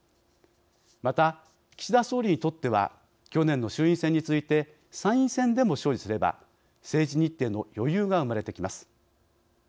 また岸田総理にとっては去年の衆院選に続いて参院選でも勝利すれば政治日程の余裕が生まれてきます。